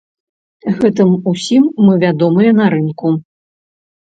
Гэтым усім мы вядомыя на рынку.